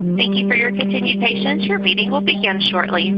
Thank you for your continued patience. Your meeting will begin shortly.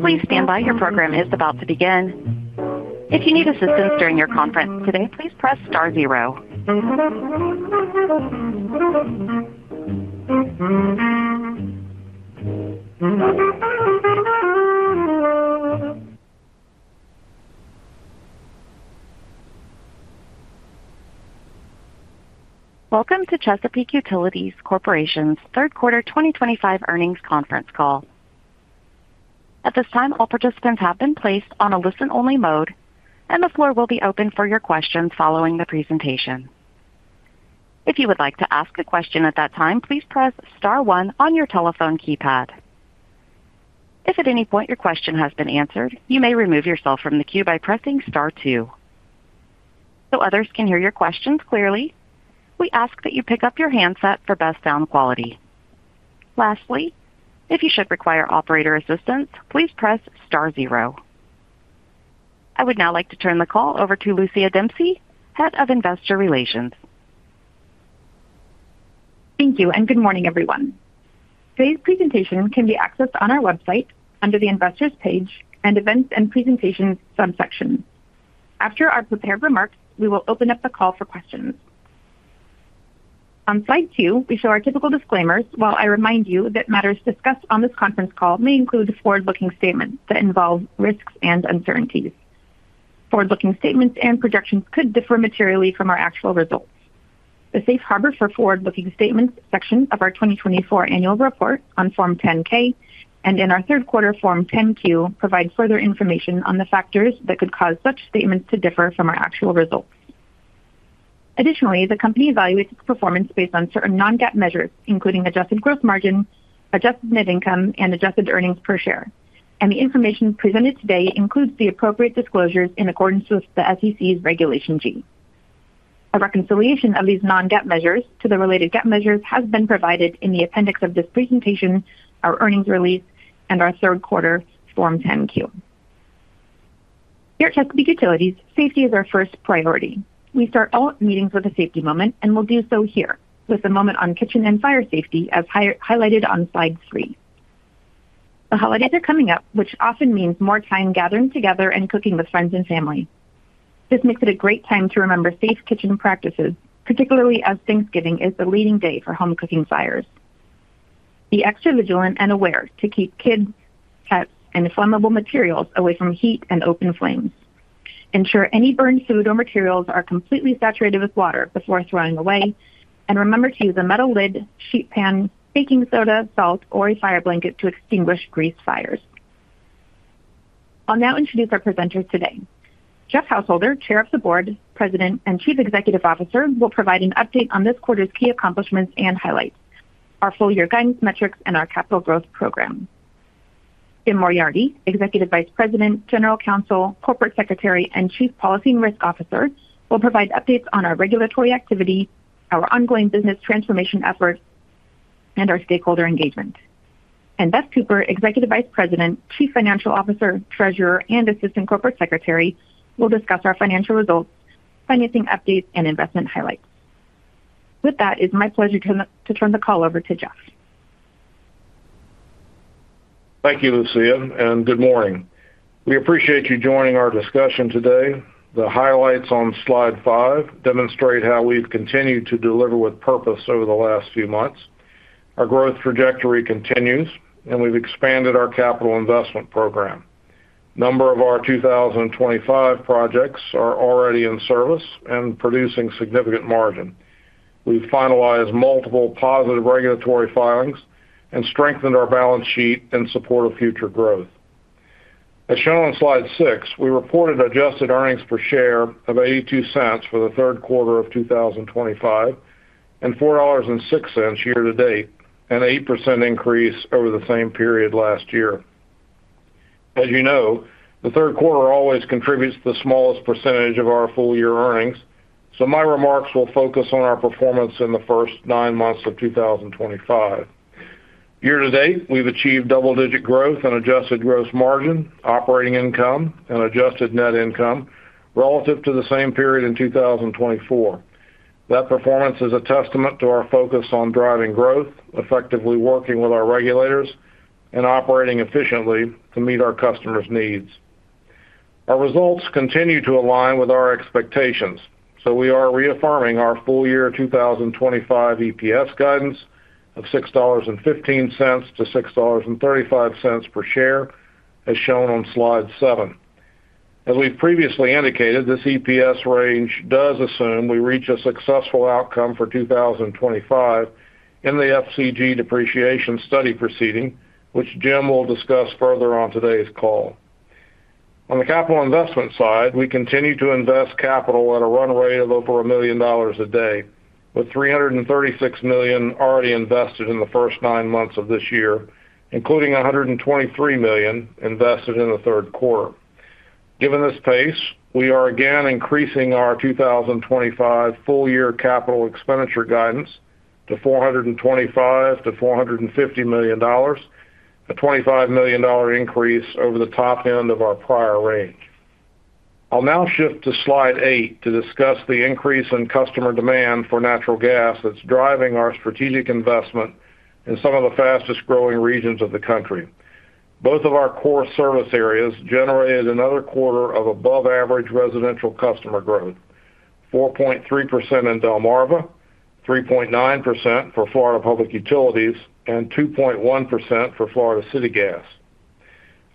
Please stand by. Your program is about to begin. If you need assistance during your conference today, please press star zero. Welcome to Chesapeake Utilities Corporation's third quarter 2025 earnings conference call. At this time, all participants have been placed on a listen-only mode, and the floor will be open for your questions following the presentation. If you would like to ask a question at that time, please press star one on your telephone keypad. If at any point your question has been answered, you may remove yourself from the queue by pressing star two. So others can hear your questions clearly, we ask that you pick up your handset for best sound quality. Lastly, if you should require operator assistance, please press star zero. I would now like to turn the call over to Lucia Dempsey, Head of Investor Relations. Thank you, and good morning, everyone. Today's presentation can be accessed on our website under the Investors page and Events and Presentations subsection. After our prepared remarks, we will open up the call for questions. On slide two, we show our typical disclaimers while I remind you that matters discussed on this conference call may include forward-looking statements that involve risks and uncertainties. Forward-looking statements and projections could differ materially from our actual results. The Safe Harbor for Forward-Looking Statements section of our 2024 annual report on Form 10-K and in our third quarter Form 10-Q provides further information on the factors that could cause such statements to differ from our actual results. Additionally, the company evaluates its performance based on certain non-GAAP measures, including adjusted gross margin, adjusted net income, and adjusted earnings per share. The information presented today includes the appropriate disclosures in accordance with the SEC's Regulation G. A reconciliation of these non-GAAP measures to the related GAAP measures has been provided in the appendix of this presentation, our earnings release, and our third quarter Form 10-Q. Here at Chesapeake Utilities, safety is our first priority. We start all meetings with a safety moment, and we'll do so here with a moment on kitchen and fire safety as highlighted on slide three. The holidays are coming up, which often means more time gathering together and cooking with friends and family. This makes it a great time to remember safe kitchen practices, particularly as Thanksgiving is the leading day for home cooking fires. Be extra vigilant and aware to keep kids, pets, and flammable materials away from heat and open flames. Ensure any burned food or materials are completely saturated with water before throwing away, and remember to use a metal lid, sheet pan, baking soda, salt, or a fire blanket to extinguish grease fires. I'll now introduce our presenters today. Jeff Householder, Chair of the Board, President, and Chief Executive Officer will provide an update on this quarter's key accomplishments and highlights, our full-year guidance metrics, and our capital growth program. Jim Moriarty, Executive Vice President, General Counsel, Corporate Secretary, and Chief Policy and Risk Officer will provide updates on our regulatory activity, our ongoing business transformation efforts, and our stakeholder engagement. Beth Cooper, Executive Vice President, Chief Financial Officer, Treasurer, and Assistant Corporate Secretary will discuss our financial results, financing updates, and investment highlights. With that, it is my pleasure to turn the call over to Jeff. Thank you, Lucia, and good morning. We appreciate you joining our discussion today. The highlights on slide five demonstrate how we've continued to deliver with purpose over the last few months. Our growth trajectory continues, and we've expanded our capital investment program. A number of our 2025 projects are already in service and producing significant margin. We've finalized multiple positive regulatory filings and strengthened our balance sheet in support of future growth. As shown on slide six, we reported adjusted earnings per share of $0.82 for the third quarter of 2025 and $4.06 year to date, an 8% increase over the same period last year. As you know, the third quarter always contributes the smallest percentage of our full-year earnings, so my remarks will focus on our performance in the first nine months of 2025. Year to date, we've achieved double-digit growth in adjusted gross margin, operating income, and adjusted net income relative to the same period in 2024. That performance is a testament to our focus on driving growth, effectively working with our regulators, and operating efficiently to meet our customers' needs. Our results continue to align with our expectations, so we are reaffirming our full-year 2025 EPS guidance of $6.15-$6.35 per share, as shown on slide seven. As we've previously indicated, this EPS range does assume we reach a successful outcome for 2025 in the FCG depreciation study proceeding, which Jim will discuss further on today's call. On the capital investment side, we continue to invest capital at a run rate of over $1 million a day, with $336 million already invested in the first nine months of this year, including $123 million invested in the third quarter. Given this pace, we are again increasing our 2025 full-year capital expenditure guidance to $425-$450 million, a $25 million increase over the top end of our prior range. I'll now shift to slide eight to discuss the increase in customer demand for natural gas that's driving our strategic investment in some of the fastest-growing regions of the country. Both of our core service areas generated another quarter of above-average residential customer growth: 4.3% in Delmarva, 3.9% for Florida Public Utilities, and 2.1% for Florida City Gas.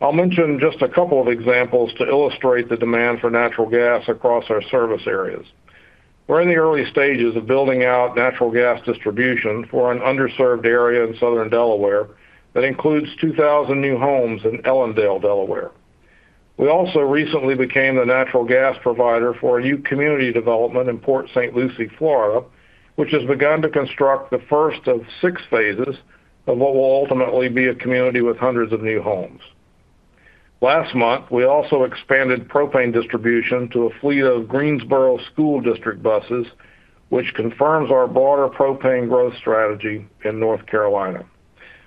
I'll mention just a couple of examples to illustrate the demand for natural gas across our service areas. We're in the early stages of building out natural gas distribution for an underserved area in southern Delaware that includes 2,000 new homes in Ellendale, Delaware. We also recently became the natural gas provider for a new community development in Port St. Lucie, Florida, which has begun to construct the first of six phases of what will ultimately be a community with hundreds of new homes. Last month, we also expanded propane distribution to a fleet of Greensboro School District buses, which confirms our broader propane growth strategy in North Carolina.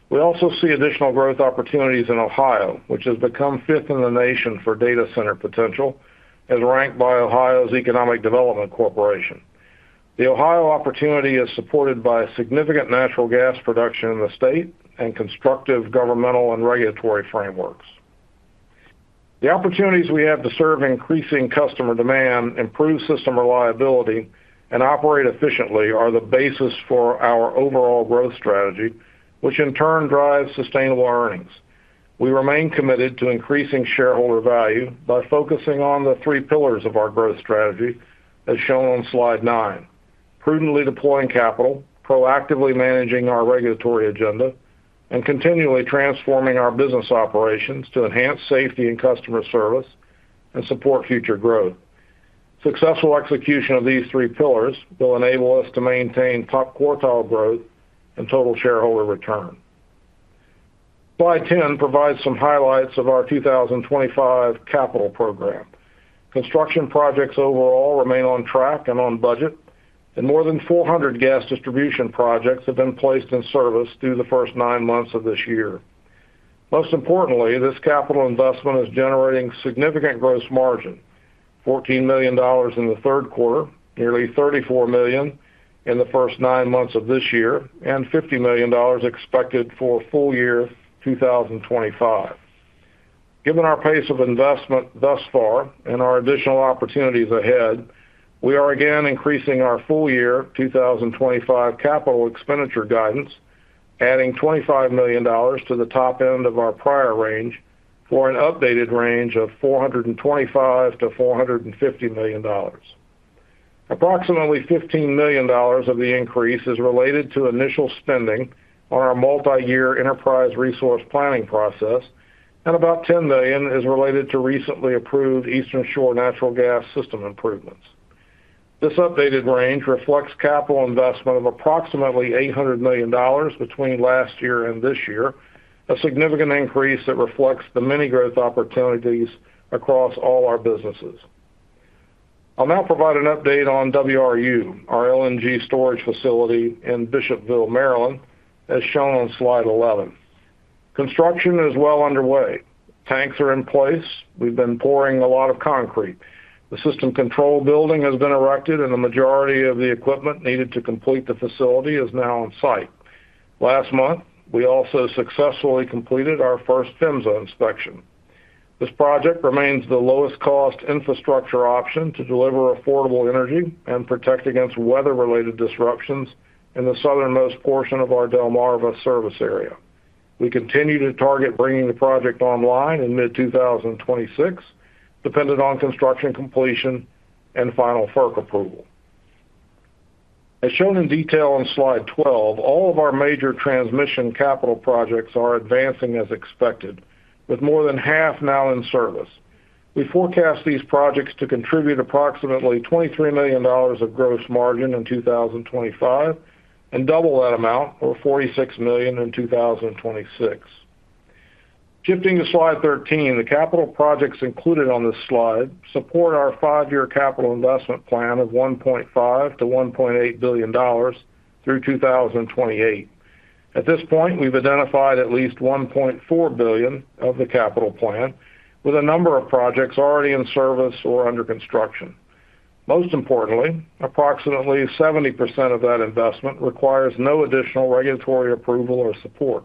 We also see additional growth opportunities in Ohio, which has become fifth in the nation for data center potential, as ranked by Ohio Economic Development Corporation. The Ohio opportunity is supported by significant natural gas production in the state and constructive governmental and regulatory frameworks. The opportunities we have to serve increasing customer demand, improve system reliability, and operate efficiently are the basis for our overall growth strategy, which in turn drives sustainable earnings. We remain committed to increasing shareholder value by focusing on the three pillars of our growth strategy, as shown on slide nine: prudently deploying capital, proactively managing our regulatory agenda, and continually transforming our business operations to enhance safety and customer service and support future growth. Successful execution of these three pillars will enable us to maintain top quartile growth and total shareholder return. Slide 10 provides some highlights of our 2025 capital program. Construction projects overall remain on track and on budget, and more than 400 gas distribution projects have been placed in service through the first nine months of this year. Most importantly, this capital investment is generating significant gross margin: $14 million in the third quarter, nearly $34 million in the first nine months of this year, and $50 million expected for full year 2025. Given our pace of investment thus far and our additional opportunities ahead, we are again increasing our full-year 2025 capital expenditure guidance, adding $25 million to the top end of our prior range for an updated range of $425-$450 million. Approximately $15 million of the increase is related to initial spending on our multi-year enterprise resource planning process, and about $10 million is related to recently approved Eastern Shore Natural Gas system improvements. This updated range reflects capital investment of approximately $800 million between last year and this year, a significant increase that reflects the many growth opportunities across all our businesses. I'll now provide an update on WRU, our LNG storage facility in Bishopville, Maryland, as shown on slide 11. Construction is well underway. Tanks are in place. We've been pouring a lot of concrete. The system control building has been erected, and the majority of the equipment needed to complete the facility is now on site. Last month, we also successfully completed our first FEMSA inspection. This project remains the lowest-cost infrastructure option to deliver affordable energy and protect against weather-related disruptions in the southernmost portion of our Delmarva service area. We continue to target bringing the project online in mid-2026, dependent on construction completion and final FERC approval. As shown in detail on slide 12, all of our major transmission capital projects are advancing as expected, with more than half now in service. We forecast these projects to contribute approximately $23 million of gross margin in 2025 and double that amount, or $46 million in 2026. Shifting to slide 13, the capital projects included on this slide support our five-year capital investment plan of $1.5 billion-$1.8 billion through 2028. At this point, we've identified at least $1.4 billion of the capital plan, with a number of projects already in service or under construction. Most importantly, approximately 70% of that investment requires no additional regulatory approval or support.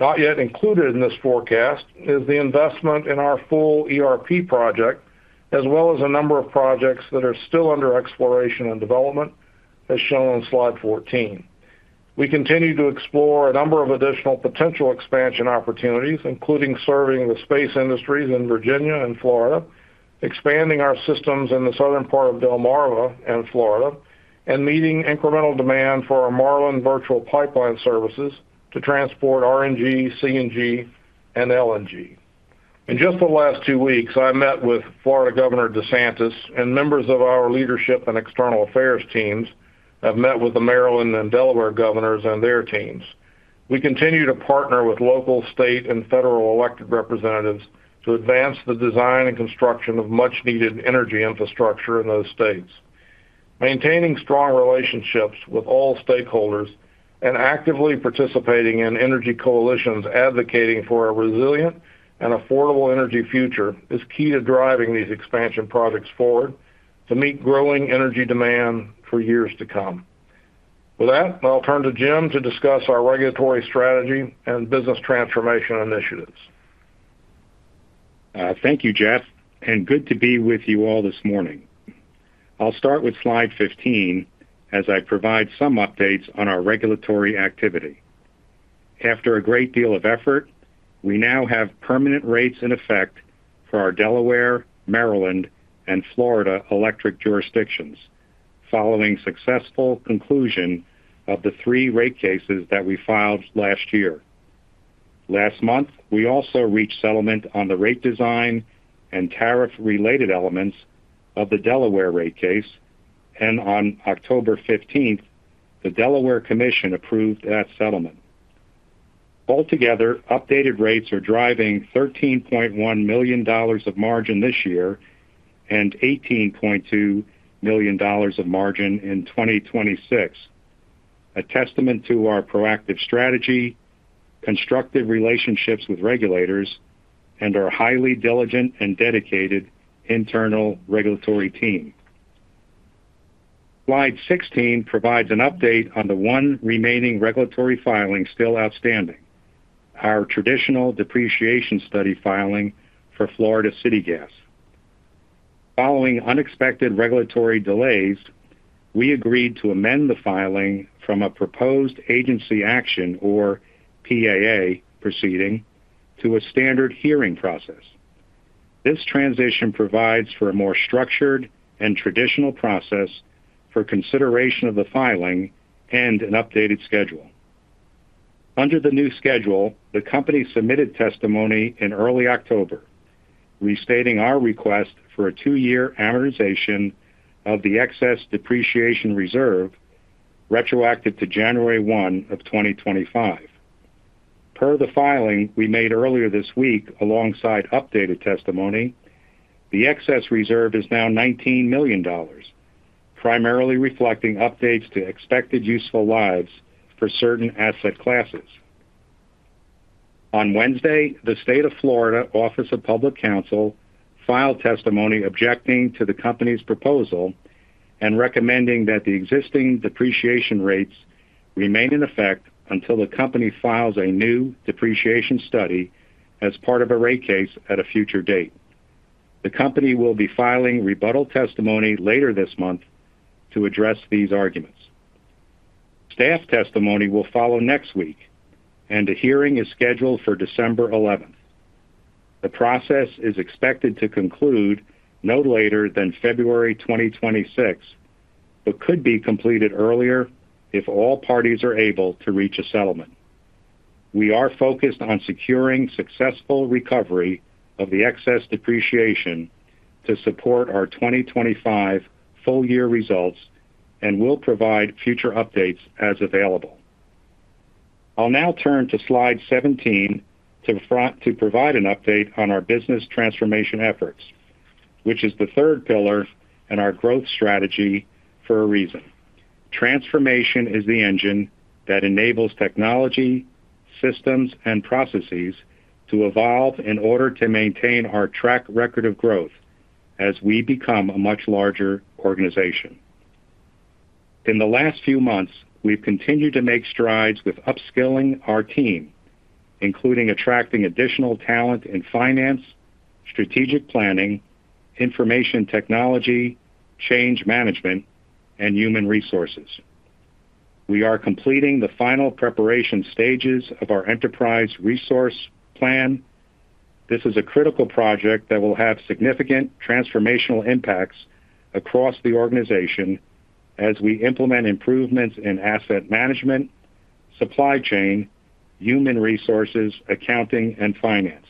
Not yet included in this forecast is the investment in our full ERP project, as well as a number of projects that are still under exploration and development, as shown on slide 14. We continue to explore a number of additional potential expansion opportunities, including serving the space industries in Virginia and Florida, expanding our systems in the southern part of Delmarva and Florida, and meeting incremental demand for our Marlin virtual pipeline services to transport RNG, CNG, and LNG. In just the last two weeks, I met with Florida Governor DeSantis, and members of our leadership and external affairs teams have met with the Maryland and Delaware governors and their teams. We continue to partner with local, state, and federal elected representatives to advance the design and construction of much-needed energy infrastructure in those states. Maintaining strong relationships with all stakeholders and actively participating in energy coalitions advocating for a resilient and affordable energy future is key to driving these expansion projects forward to meet growing energy demand for years to come. With that, I'll turn to Jim to discuss our regulatory strategy and business transformation initiatives. Thank you, Jeff, and good to be with you all this morning. I'll start with slide 15 as I provide some updates on our regulatory activity. After a great deal of effort, we now have permanent rates in effect for our Delaware, Maryland, and Florida electric jurisdictions, following successful conclusion of the three rate cases that we filed last year. Last month, we also reached settlement on the rate design and tariff-related elements of the Delaware rate case, and on October 15th, the Delaware Commission approved that settlement. Altogether, updated rates are driving $13.1 million of margin this year and $18.2 million of margin in 2026, a testament to our proactive strategy, constructive relationships with regulators, and our highly diligent and dedicated internal regulatory team. Slide 16 provides an update on the one remaining regulatory filing still outstanding: our traditional depreciation study filing for Florida City Gas. Following unexpected regulatory delays, we agreed to amend the filing from a proposed agency action, or PAA, proceeding to a standard hearing process. This transition provides for a more structured and traditional process for consideration of the filing and an updated schedule. Under the new schedule, the company submitted testimony in early October, restating our request for a two-year amortization of the excess depreciation reserve retroactive to January 1 of 2025. Per the filing we made earlier this week alongside updated testimony, the excess reserve is now $19 million, primarily reflecting updates to expected useful lives for certain asset classes. On Wednesday, the State of Florida Office of Public Counsel filed testimony objecting to the company's proposal and recommending that the existing depreciation rates remain in effect until the company files a new depreciation study as part of a rate case at a future date. The company will be filing rebuttal testimony later this month to address these arguments. Staff testimony will follow next week, and a hearing is scheduled for December 11th. The process is expected to conclude no later than February 2026, but could be completed earlier if all parties are able to reach a settlement. We are focused on securing successful recovery of the excess depreciation to support our 2025 full-year results and will provide future updates as available. I'll now turn to slide 17 to provide an update on our business transformation efforts, which is the third pillar in our growth strategy for a reason. Transformation is the engine that enables technology, systems, and processes to evolve in order to maintain our track record of growth as we become a much larger organization. In the last few months, we've continued to make strides with upskilling our team, including attracting additional talent in finance, strategic planning, information technology, change management, and human resources. We are completing the final preparation stages of our enterprise resource plan. This is a critical project that will have significant transformational impacts across the organization as we implement improvements in asset management, supply chain, human resources, accounting, and finance.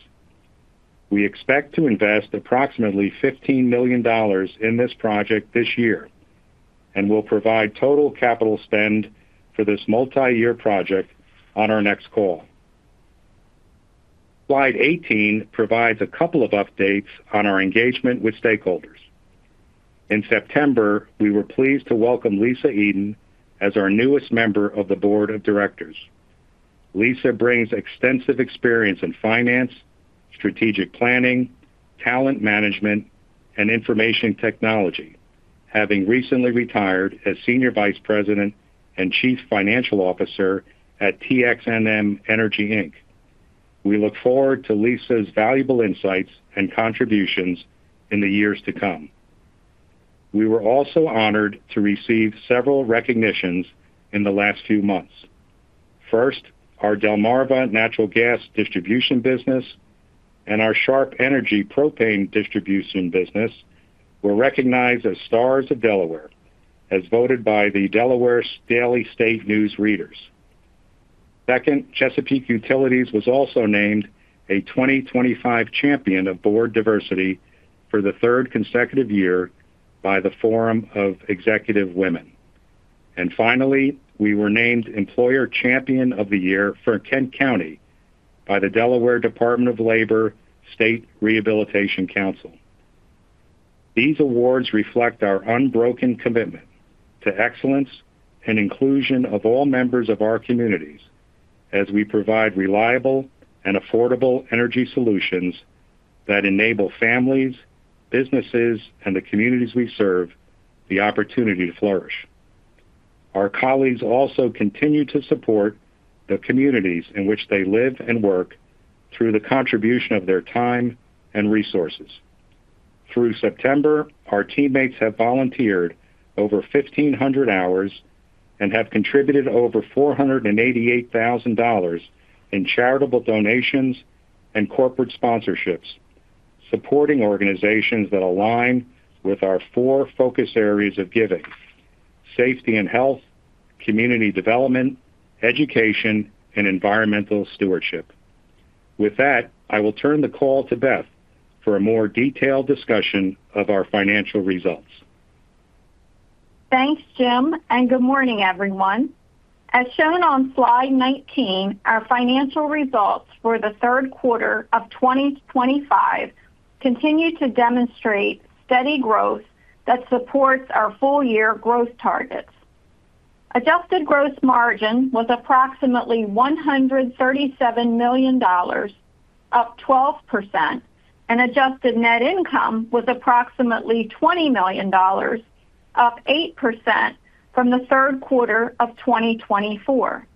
We expect to invest approximately $15 million in this project this year and will provide total capital spend for this multi-year project on our next call. Slide 18 provides a couple of updates on our engagement with stakeholders. In September, we were pleased to welcome Lisa Eden as our newest member of the board of directors. Lisa brings extensive experience in finance, strategic planning, talent management, and information technology, having recently retired as Senior Vice President and Chief Financial Officer at TXNM Energy Inc. We look forward to Lisa's valuable insights and contributions in the years to come. We were also honored to receive several recognitions in the last few months. First, our Delmarva natural gas distribution business and our Sharp Energy propane distribution business were recognized as Stars of Delaware, as voted by the Delaware Daily State News readers. Second, Chesapeake Utilities was also named a 2025 Champion of Board Diversity for the third consecutive year by the Forum of Executive Women. Finally, we were named Employer Champion of the Year for Kent County by the Delaware Department of Labor State Rehabilitation Council. These awards reflect our unbroken commitment to excellence and inclusion of all members of our communities as we provide reliable and affordable energy solutions that enable families, businesses, and the communities we serve the opportunity to flourish. Our colleagues also continue to support the communities in which they live and work through the contribution of their time and resources. Through September, our teammates have volunteered over 1,500 hours and have contributed over $488,000 in charitable donations and corporate sponsorships, supporting organizations that align with our four focus areas of giving: safety and health, community development, education, and environmental stewardship. With that, I will turn the call to Beth for a more detailed discussion of our financial results. Thanks, Jim. Good morning, everyone. As shown on slide 19, our financial results for the third quarter of 2025 continue to demonstrate steady growth that supports our full-year growth targets. Adjusted gross margin was approximately $137 million, up 12%, and adjusted net income was approximately $20 million, up 8% from the third quarter of 2024.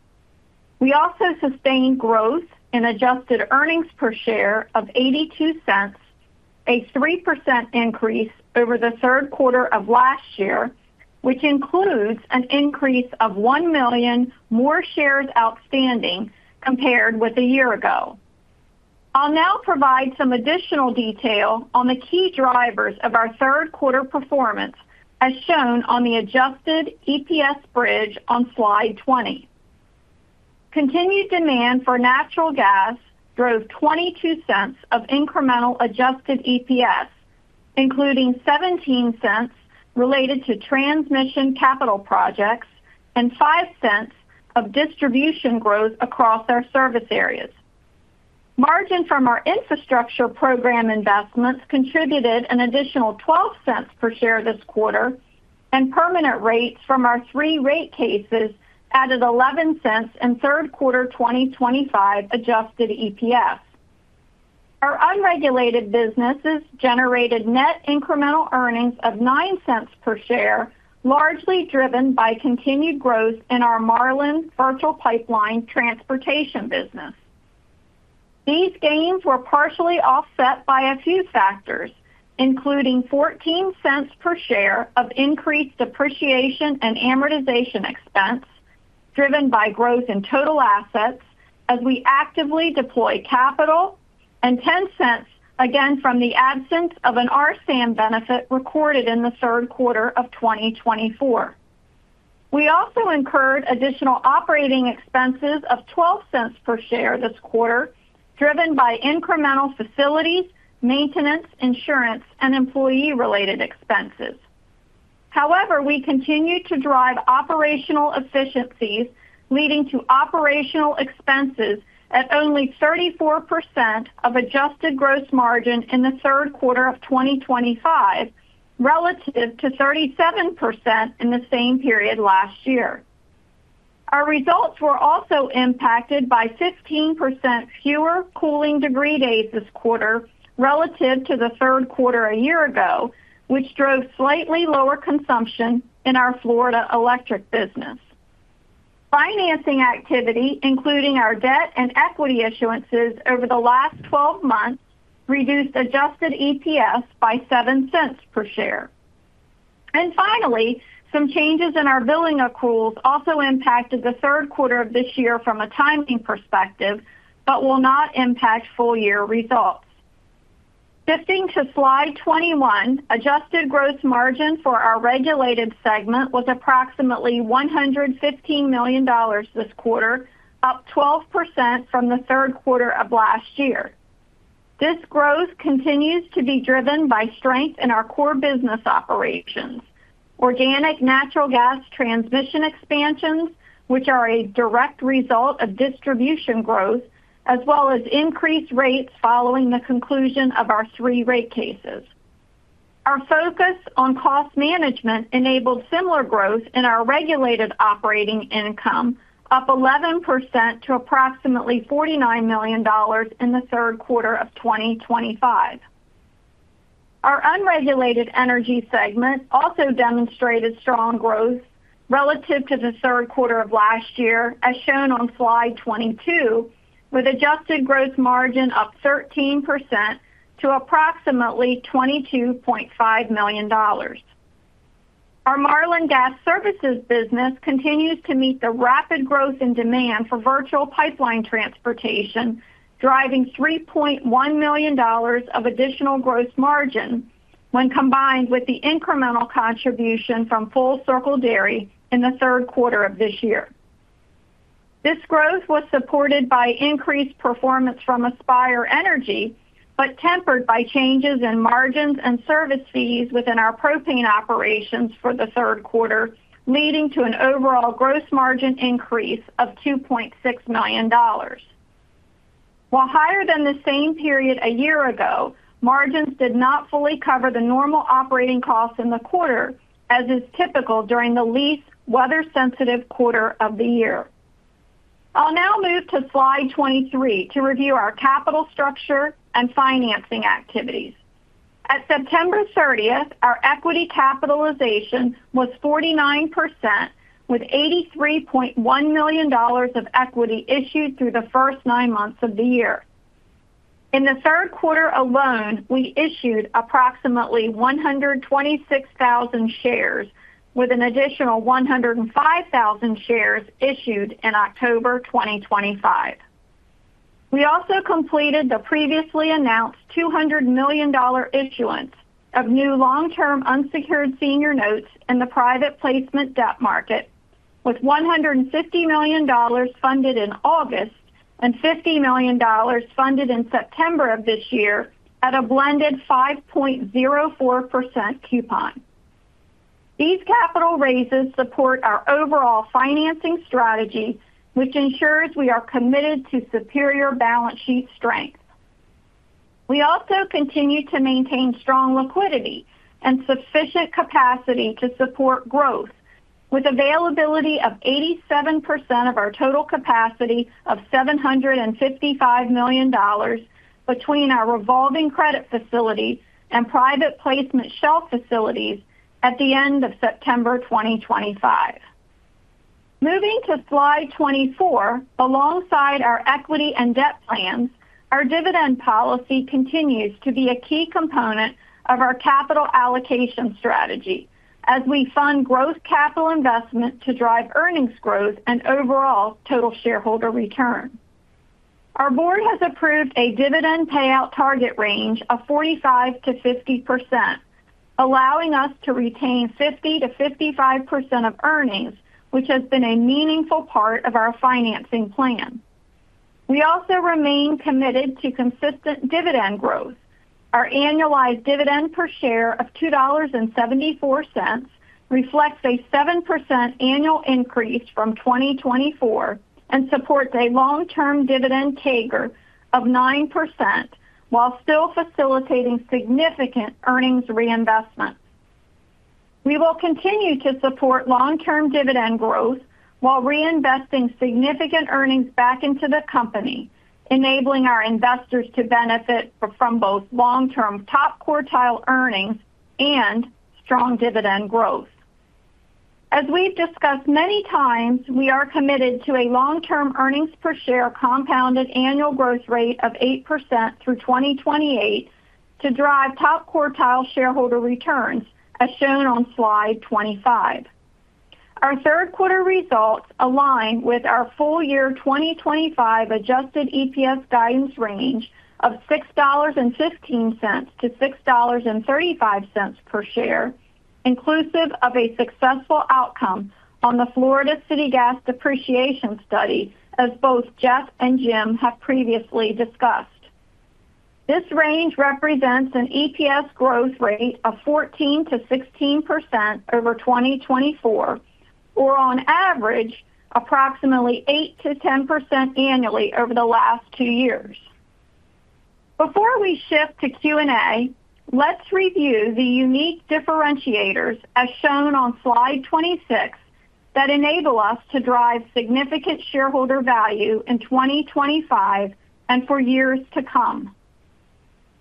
We also sustained growth in adjusted earnings per share of $0.82, a 3% increase over the third quarter of last year, which includes an increase of 1 million more shares outstanding compared with a year ago. I'll now provide some additional detail on the key drivers of our third quarter performance, as shown on the adjusted EPS bridge on slide 20. Continued demand for natural gas drove $0.22 of incremental adjusted EPS, including $0.17 related to transmission capital projects and $0.05 of distribution growth across our service areas. Margin from our infrastructure program investments contributed an additional $0.12 per share this quarter, and permanent rates from our three rate cases added $0.11 in third quarter 2025 adjusted EPS. Our unregulated businesses generated net incremental earnings of $0.09 per share, largely driven by continued growth in our Marlin virtual pipeline transportation business. These gains were partially offset by a few factors, including $0.14 per share of increased depreciation and amortization expense driven by growth in total assets as we actively deploy capital, and $0.10, again, from the absence of an RSAM benefit recorded in the third quarter of 2024. We also incurred additional operating expenses of $0.12 per share this quarter, driven by incremental facilities, maintenance, insurance, and employee-related expenses. However, we continue to drive operational efficiencies, leading to operational expenses at only 34% of adjusted gross margin in the third quarter of 2025, relative to 37% in the same period last year. Our results were also impacted by 15% fewer cooling degree days this quarter relative to the third quarter a year ago, which drove slightly lower consumption in our Florida Electric business. Financing activity, including our debt and equity issuances over the last 12 months, reduced adjusted EPS by $0.07 per share. Finally, some changes in our billing accruals also impacted the third quarter of this year from a timing perspective but will not impact full-year results. Shifting to slide 21, adjusted gross margin for our regulated segment was approximately $115 million this quarter, up 12% from the third quarter of last year. This growth continues to be driven by strength in our core business operations: organic natural gas transmission expansions, which are a direct result of distribution growth, as well as increased rates following the conclusion of our three rate cases. Our focus on cost management enabled similar growth in our regulated operating income, up 11% to approximately $49 million in the third quarter of 2025. Our unregulated energy segment also demonstrated strong growth relative to the third quarter of last year, as shown on slide 22, with adjusted gross margin up 13% to approximately $22.5 million. Our Marlin Gas Services business continues to meet the rapid growth in demand for virtual pipeline transportation, driving $3.1 million of additional gross margin when combined with the incremental contribution from Full Circle Dairy in the third quarter of this year. This growth was supported by increased performance from Aspire Energy but tempered by changes in margins and service fees within our propane operations for the third quarter, leading to an overall gross margin increase of $2.6 million. While higher than the same period a year ago, margins did not fully cover the normal operating costs in the quarter, as is typical during the least weather-sensitive quarter of the year. I'll now move to slide 23 to review our capital structure and financing activities. At September 30, our equity capitalization was 49%, with $83.1 million of equity issued through the first nine months of the year. In the third quarter alone, we issued approximately 126,000 shares, with an additional 105,000 shares issued in October 2023. We also completed the previously announced $200 million issuance of new long-term unsecured senior notes in the private placement debt market, with $150 million funded in August and $50 million funded in September of this year at a blended 5.04% coupon. These capital raises support our overall financing strategy, which ensures we are committed to superior balance sheet strength. We also continue to maintain strong liquidity and sufficient capacity to support growth, with availability of 87% of our total capacity of $755 million between our revolving credit facility and private placement shell facilities at the end of September 2025. Moving to slide 24, alongside our equity and debt plans, our dividend policy continues to be a key component of our capital allocation strategy as we fund growth capital investment to drive earnings growth and overall total shareholder return. Our board has approved a dividend payout target range of 45%-50%, allowing us to retain 50%-55% of earnings, which has been a meaningful part of our financing plan. We also remain committed to consistent dividend growth. Our annualized dividend per share of $2.74 reflects a 7% annual increase from 2024 and supports a long-term dividend CAGR of 9% while still facilitating significant earnings reinvestment. We will continue to support long-term dividend growth while reinvesting significant earnings back into the company, enabling our investors to benefit from both long-term top quartile earnings and strong dividend growth. As we've discussed many times, we are committed to a long-term earnings per share compounded annual growth rate of 8% through 2028 to drive top quartile shareholder returns, as shown on slide 25. Our third quarter results align with our full-year 2025 adjusted EPS guidance range of $6.15-$6.35 per share, inclusive of a successful outcome on the Florida City Gas Depreciation Study, as both Jeff and Jim have previously discussed. This range represents an EPS growth rate of 14%-16% over 2024, or on average, approximately 8%-10% annually over the last two years. Before we shift to Q&A, let's review the unique differentiators, as shown on slide 26, that enable us to drive significant shareholder value in 2025 and for years to come.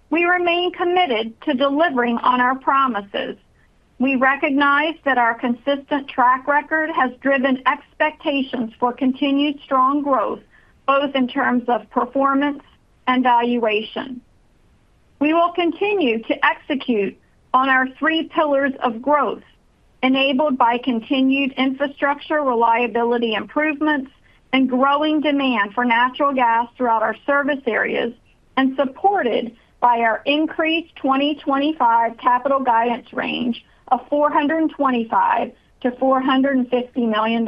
We remain committed to delivering on our promises. We recognize that our consistent track record has driven expectations for continued strong growth, both in terms of performance and valuation. We will continue to execute on our three pillars of growth, enabled by continued infrastructure reliability improvements and growing demand for natural gas throughout our service areas, and supported by our increased 2025 capital guidance range of $425 million-$450 million.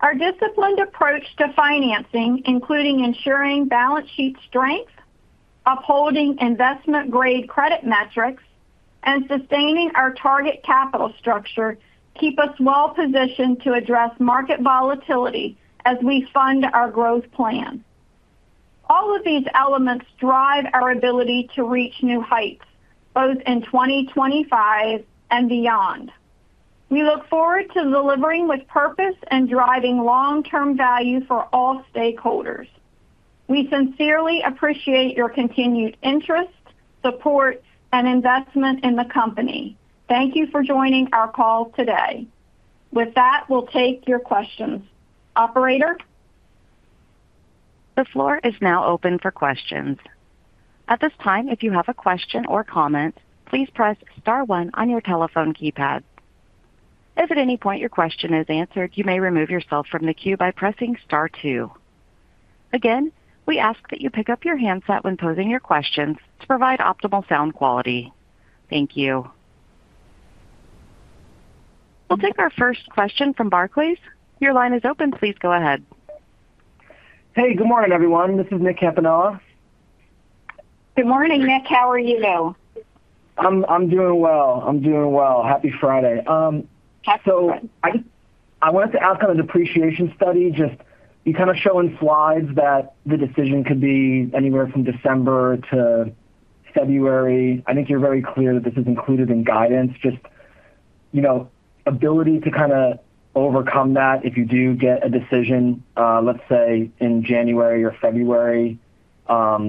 Our disciplined approach to financing, including ensuring balance sheet strength, upholding investment-grade credit metrics, and sustaining our target capital structure, keeps us well-positioned to address market volatility as we fund our growth plan. All of these elements drive our ability to reach new heights, both in 2025 and beyond. We look forward to delivering with purpose and driving long-term value for all stakeholders. We sincerely appreciate your continued interest, support, and investment in the company. Thank you for joining our call today. With that, we'll take your questions. Operator? The floor is now open for questions. At this time, if you have a question or comment, please press star one on your telephone keypad. If at any point your question is answered, you may remove yourself from the queue by pressing star two. Again, we ask that you pick up your handset when posing your questions to provide optimal sound quality. Thank you. We'll take our first question from Barclays. Your line is open. Please go ahead. Hey, good morning, everyone. This is Nick Campanella. Good morning, Nick. How are you? I'm doing well. I'm doing well. Happy Friday. I wanted to outcome of depreciation study, just you kind of show in slides that the decision could be anywhere from December to February. I think you're very clear that this is included in guidance. Just ability to kind of overcome that if you do get a decision, let's say, in January or February, are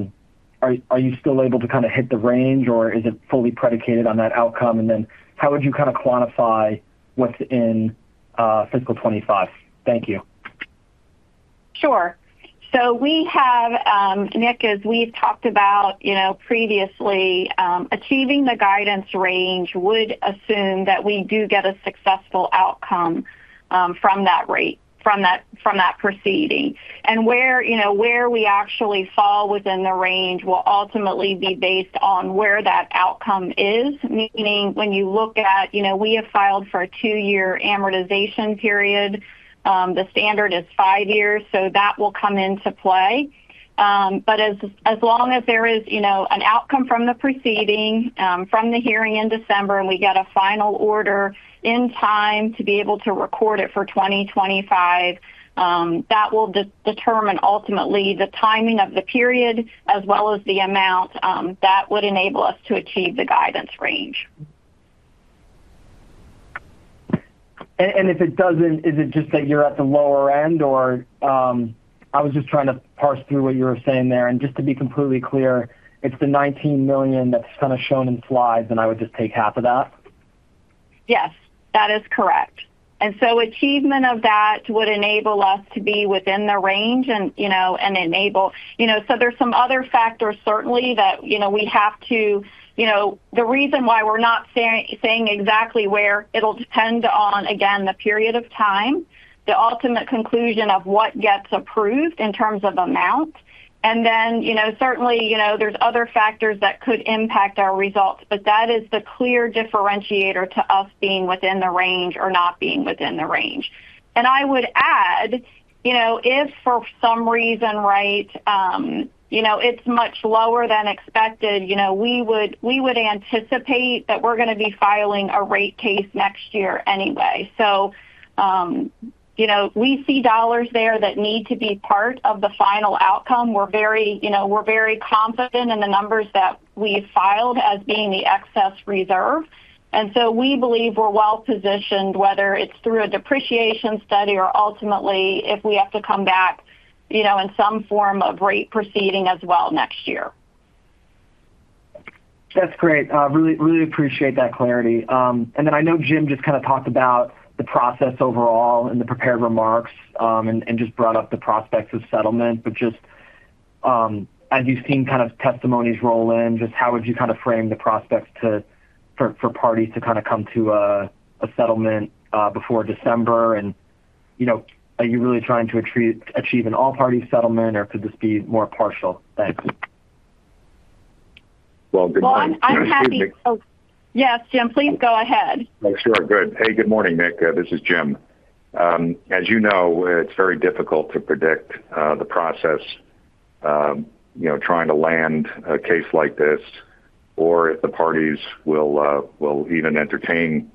you still able to kind of hit the range, or is it fully predicated on that outcome? How would you kind of quantify what's in fiscal 2025? Thank you. Sure. We have, Nick, as we've talked about previously, achieving the guidance range would assume that we do get a successful outcome from that proceeding. Where we actually fall within the range will ultimately be based on where that outcome is, meaning when you look at we have filed for a two-year amortization period. The standard is five years, so that will come into play. As long as there is an outcome from the proceeding from the hearing in December and we get a final order in time to be able to record it for 2025, that will determine ultimately the timing of the period as well as the amount that would enable us to achieve the guidance range. If it does not, is it just that you are at the lower end, or? I was just trying to parse through what you were saying there. Just to be completely clear, it is the $19 million that is kind of shown in slides, and I would just take half of that? Yes, that is correct. Achievement of that would enable us to be within the range and enable, so there are some other factors, certainly, that we have to—the reason why we're not saying exactly where. It will depend on, again, the period of time, the ultimate conclusion of what gets approved in terms of amount. Certainly, there are other factors that could impact our results, but that is the clear differentiator to us being within the range or not being within the range. I would add, if for some reason, right, it is much lower than expected, we would anticipate that we're going to be filing a rate case next year anyway. We see dollars there that need to be part of the final outcome. We are very confident in the numbers that we filed as being the excess reserve. We believe we are well-positioned, whether it is through a depreciation study or ultimately if we have to come back in some form of rate proceeding as well next year. That's great. Really appreciate that clarity. I know Jim just kind of talked about the process overall in the prepared remarks and just brought up the prospects of settlement. Just as you've seen testimonies roll in, how would you frame the prospects for parties to come to a settlement before December? Are you really trying to achieve an all-party settlement, or could this be more partial? Thanks. Good morning. I'm happy. Yes, Jim, please go ahead. Sure. Good. Hey, good morning, Nick. This is Jim. As you know, it's very difficult to predict the process trying to land a case like this or if the parties will even entertain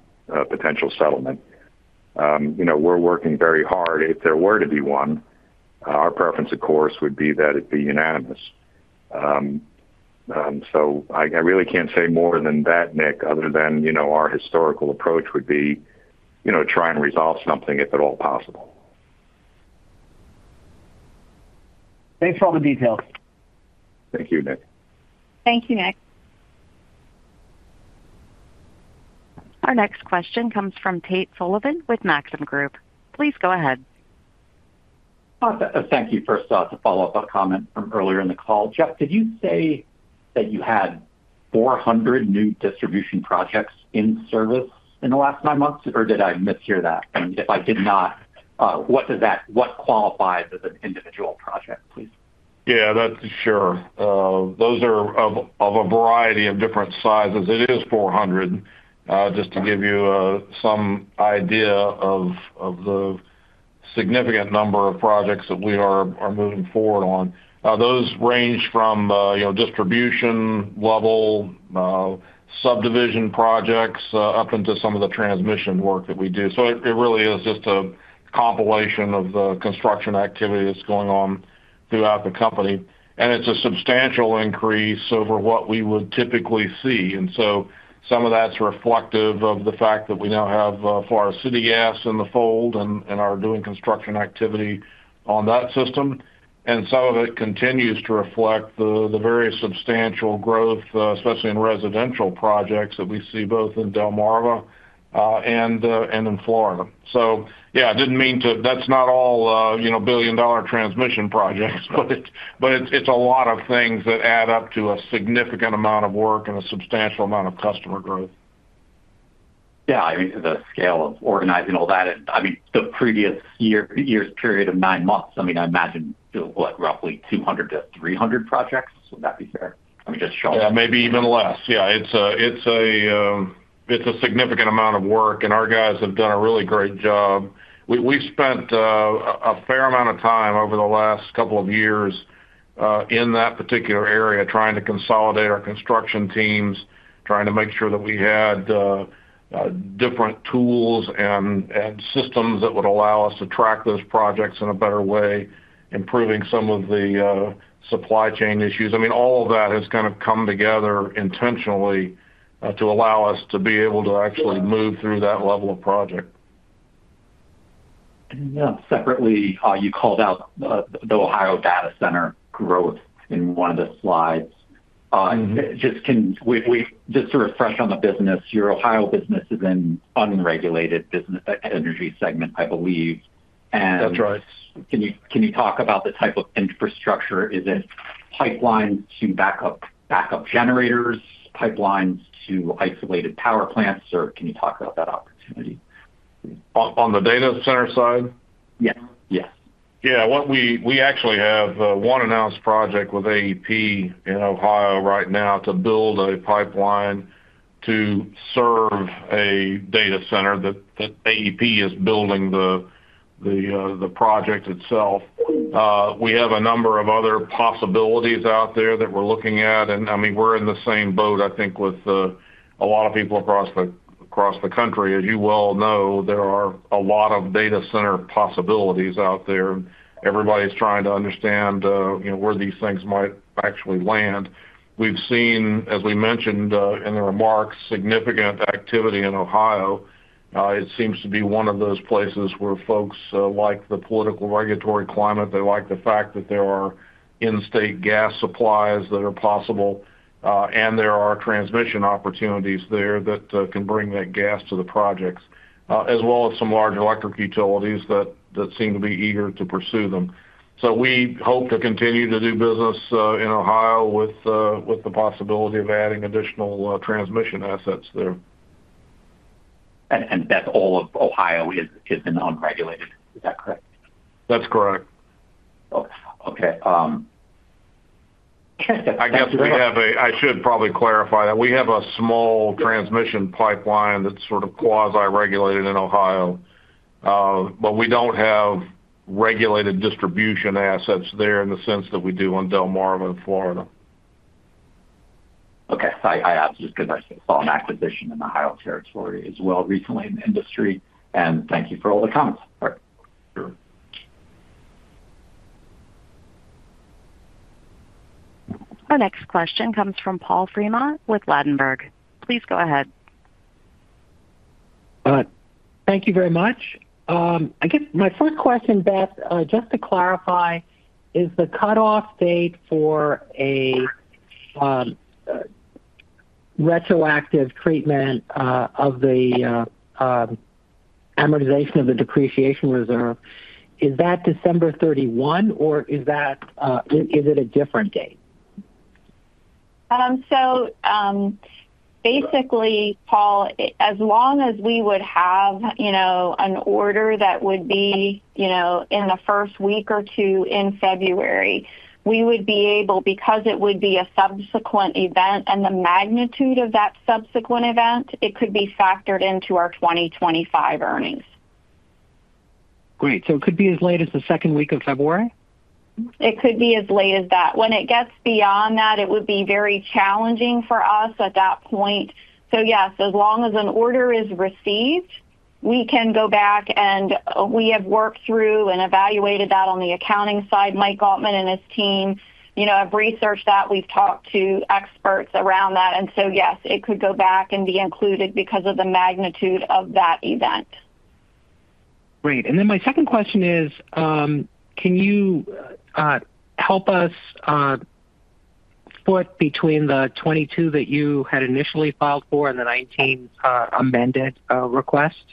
potential settlement. We're working very hard. If there were to be one, our preference, of course, would be that it be unanimous. I really can't say more than that, Nick, other than our historical approach would be to try and resolve something if at all possible. Thanks for all the details. Thank you, Nick. Thank you, Nick. Our next question comes from Tate Sullivan with Maxim Group. Please go ahead. Thank you. First off, a follow-up comment from earlier in the call. Jeff, did you say that you had 400 new distribution projects in service in the last nine months, or did I mishear that? If I did not, what qualifies as an individual project, please? Yeah, that's for sure. Those are of a variety of different sizes. It is 400, just to give you some idea of the significant number of projects that we are moving forward on. Those range from distribution level, subdivision projects, up into some of the transmission work that we do. It really is just a compilation of the construction activity that's going on throughout the company. It's a substantial increase over what we would typically see. Some of that's reflective of the fact that we now have Florida City Gas in the fold and are doing construction activity on that system. Some of it continues to reflect the very substantial growth, especially in residential projects that we see both in Delmarva and in Florida. Yeah, I didn't mean to, that's not all billion-dollar transmission projects, but it's a lot of things that add up to a significant amount of work and a substantial amount of customer growth. Yeah, I mean, the scale of organizing all that, I mean, the previous year's period of nine months, I mean, I imagine what, roughly 200-300 projects. Would that be fair? I mean, just showing. Yeah, maybe even less. Yeah, it's a significant amount of work, and our guys have done a really great job. We've spent a fair amount of time over the last couple of years in that particular area trying to consolidate our construction teams, trying to make sure that we had different tools and systems that would allow us to track those projects in a better way, improving some of the supply chain issues. I mean, all of that has kind of come together intentionally to allow us to be able to actually move through that level of project. Separately, you called out the Ohio data center growth in one of the slides. Just to refresh on the business, your Ohio business is in unregulated energy segment, I believe. That's right. Can you talk about the type of infrastructure? Is it pipelines to backup generators, pipelines to isolated power plants, or can you talk about that opportunity? On the data center side? Yes. Yeah. We actually have one announced project with American Electric Power in Ohio right now to build a pipeline to serve a data center that AEP is building the project itself. We have a number of other possibilities out there that we're looking at. I mean, we're in the same boat, I think, with a lot of people across the country. As you well know, there are a lot of data center possibilities out there. Everybody's trying to understand where these things might actually land. We've seen, as we mentioned in the remarks, significant activity in Ohio. It seems to be one of those places where folks like the political regulatory climate. They like the fact that there are in-state gas supplies that are possible, and there are transmission opportunities there that can bring that gas to the projects, as well as some large electric utilities that seem to be eager to pursue them. We hope to continue to do business in Ohio with the possibility of adding additional transmission assets there. All of Ohio is in unregulated. Is that correct? That's correct. Okay. I guess we have a—I should probably clarify that. We have a small transmission pipeline that's sort of quasi-regulated in Ohio, but we don't have regulated distribution assets there in the sense that we do on Delmarva in Florida. Okay. I asked just because I saw an acquisition in the Ohio territory as well recently in the industry. Thank you for all the comments. All right. Sure. Our next question comes from Paul Fremont with Ladenburg. Please go ahead. Thank you very much. I guess my first question, Beth, just to clarify, is the cutoff date for a retroactive treatment of the amortization of the depreciation reserve, is that December 31, or is it a different date? Basically, Paul, as long as we would have an order that would be in the first week or two in February, we would be able, because it would be a subsequent event, and the magnitude of that subsequent event, it could be factored into our 2025 earnings. Great. So it could be as late as the second week of February? It could be as late as that. When it gets beyond that, it would be very challenging for us at that point. Yes, as long as an order is received, we can go back, and we have worked through and evaluated that on the accounting side. Mike Galtman and his team have researched that. We have talked to experts around that. Yes, it could go back and be included because of the magnitude of that event. Great. My second question is, can you help us split between the 22 that you had initially filed for and the 19 amended request?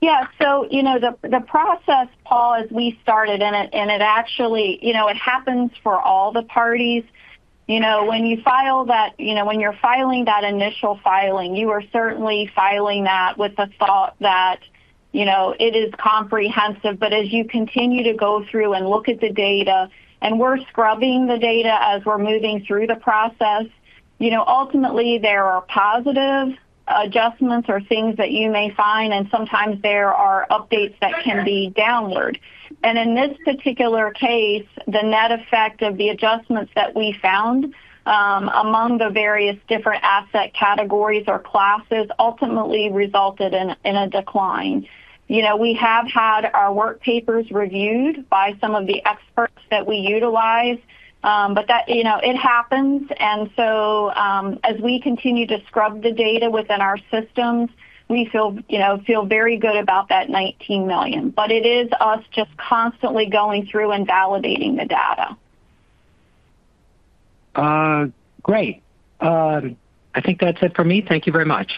Yeah. The process, Paul, as we started, and it actually happens for all the parties. When you file that, when you're filing that initial filing, you are certainly filing that with the thought that it is comprehensive. As you continue to go through and look at the data, and we're scrubbing the data as we're moving through the process, ultimately, there are positive adjustments or things that you may find, and sometimes there are updates that can be downloaded. In this particular case, the net effect of the adjustments that we found among the various different asset categories or classes ultimately resulted in a decline. We have had our work papers reviewed by some of the experts that we utilize, but it happens. As we continue to scrub the data within our systems, we feel very good about that $19 million. It is us just constantly going through and validating the data. Great. I think that's it for me. Thank you very much.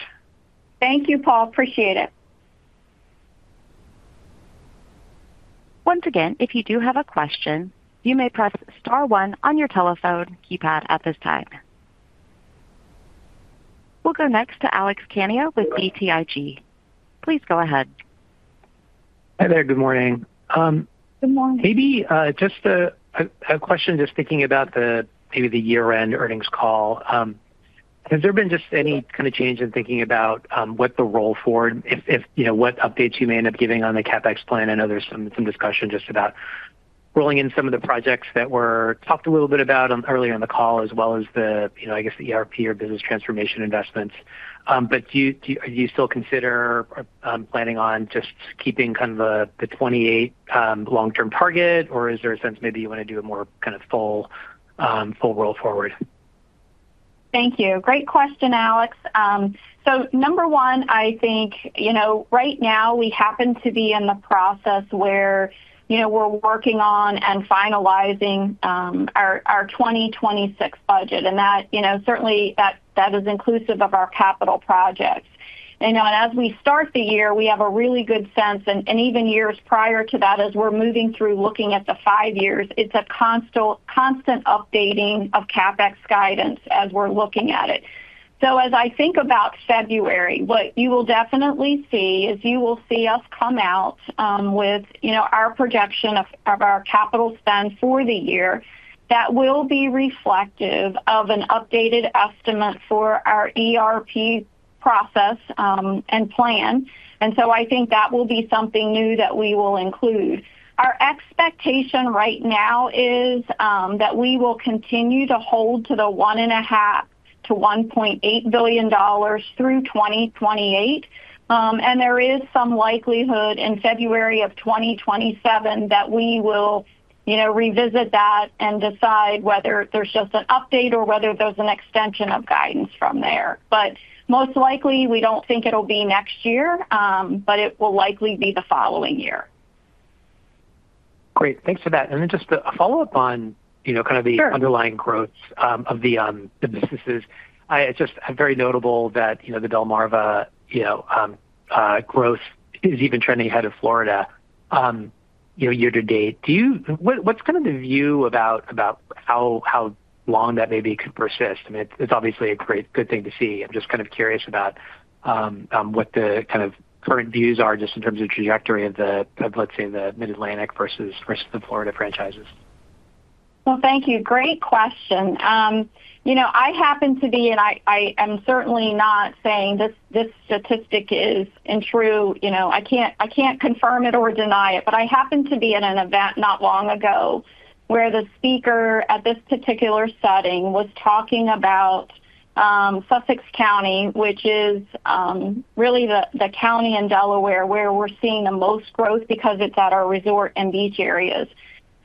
Thank you, Paul. Appreciate it. Once again, if you do have a question, you may press star one on your telephone keypad at this time. We'll go next to Alex Kania with BTIG. Please go ahead. Hi there. Good morning. Good morning. Maybe just a question, just thinking about maybe the year-end earnings call. Has there been just any kind of change in thinking about what the role for, what updates you may end up giving on the CapEx plan? I know there's some discussion just about rolling in some of the projects that were talked a little bit about earlier in the call, as well as the, I guess, the ERP or business transformation investments. But do you still consider planning on just keeping kind of the 2028 long-term target, or is there a sense maybe you want to do a more kind of full roll forward? Thank you. Great question, Alex. Number one, I think right now we happen to be in the process where we're working on and finalizing our 2026 budget. Certainly, that is inclusive of our capital projects. As we start the year, we have a really good sense, and even years prior to that, as we're moving through looking at the five years, it's a constant updating of CapEx guidance as we're looking at it. As I think about February, what you will definitely see is you will see us come out with our projection of our capital spend for the year that will be reflective of an updated estimate for our ERP process and plan. I think that will be something new that we will include. Our expectation right now is that we will continue to hold to the $1.5 billion-$1.8 billion through 2028. There is some likelihood in February of 2027 that we will revisit that and decide whether there is just an update or whether there is an extension of guidance from there. Most likely, we do not think it will be next year, but it will likely be the following year. Great. Thanks for that. Just a follow-up on kind of the underlying growth of the businesses. It's just very notable that the Delmarva growth is even trending ahead of Florida year to date. What's kind of the view about how long that maybe could persist? I mean, it's obviously a great good thing to see. I'm just kind of curious about what the kind of current views are just in terms of trajectory of, let's say, the Mid-Atlantic versus the Florida franchises. Thank you. Great question. I happen to be, and I am certainly not saying this statistic is true. I can't confirm it or deny it, but I happen to be at an event not long ago where the speaker at this particular setting was talking about Sussex County, which is really the county in Delaware where we're seeing the most growth because it's at our resort and beach areas.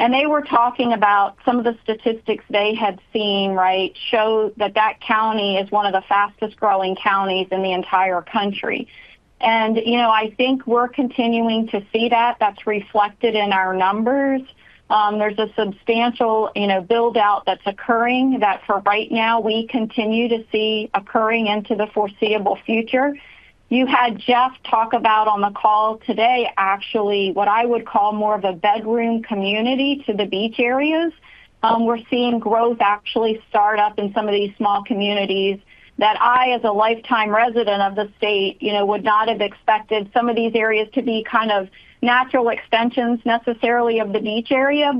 They were talking about some of the statistics they had seen, right, show that that county is one of the fastest growing counties in the entire country. I think we're continuing to see that. That's reflected in our numbers. There's a substantial build-out that's occurring that for right now we continue to see occurring into the foreseeable future. You had Jeff talk about on the call today actually what I would call more of a bedroom community to the beach areas. We're seeing growth actually start up in some of these small communities that I, as a lifetime resident of the state, would not have expected some of these areas to be kind of natural extensions necessarily of the beach area.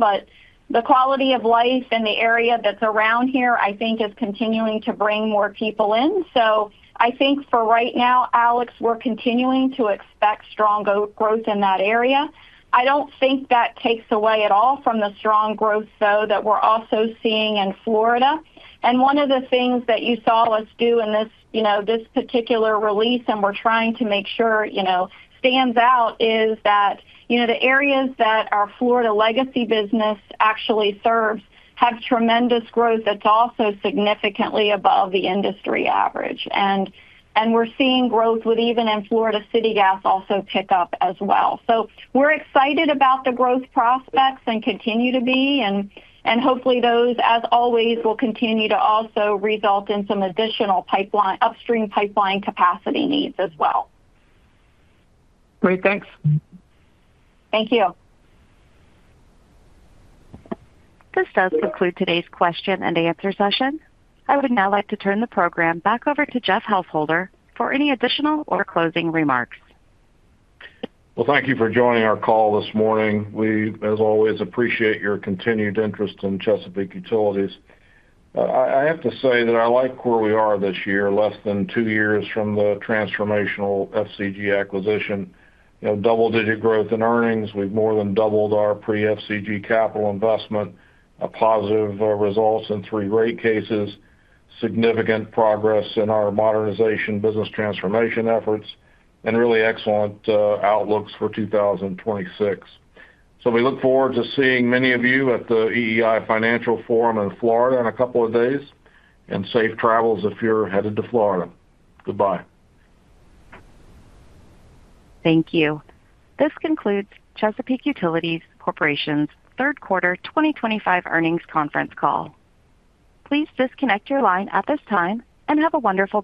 The quality of life and the area that's around here, I think, is continuing to bring more people in. I think for right now, Alex, we're continuing to expect strong growth in that area. I don't think that takes away at all from the strong growth, though, that we're also seeing in Florida. One of the things that you saw us do in this particular release, and we're trying to make sure stands out, is that the areas that our Florida legacy business actually serves have tremendous growth that's also significantly above the industry average. We're seeing growth with even in Florida City Gas also pick up as well. We're excited about the growth prospects and continue to be. Hopefully, those, as always, will continue to also result in some additional upstream pipeline capacity needs as well. Great. Thanks. Thank you. This does conclude today's question and answer session. I would now like to turn the program back over to Jeff Householder for any additional or closing remarks. Thank you for joining our call this morning. We, as always, appreciate your continued interest in Chesapeake Utilities. I have to say that I like where we are this year, less than two years from the transformational FCG acquisition. Double-digit growth in earnings. We have more than doubled our pre-FCG capital investment, positive results in three rate cases, significant progress in our modernization business transformation efforts, and really excellent outlooks for 2026. We look forward to seeing many of you at the EEI Financial Forum in Florida in a couple of days. Safe travels if you are headed to Florida. Goodbye. Thank you. This concludes Chesapeake Utilities Corporation's third quarter 2025 earnings conference call. Please disconnect your line at this time and have a wonderful day.